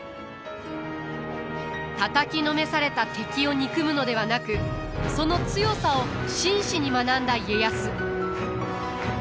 たたきのめされた敵を憎むのではなくその強さを真摯に学んだ家康。